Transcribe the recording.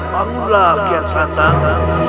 bangulah kian santang